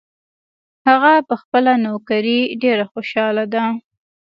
هغه په خپله نوکري ډېر خوشحاله ده